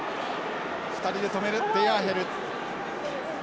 ２人で止めるデヤーヘル。